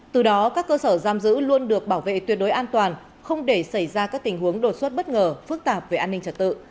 từ đó các cơ sở giam giữ luôn được bảo vệ tuyệt đối an toàn không để xảy ra các tình huống đột xuất bất ngờ phức tạp về an ninh trật tự